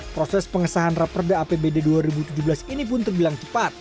proses pengesahan raperda apbd dua ribu tujuh belas ini pun terbilang cepat